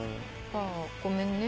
ああごめんね。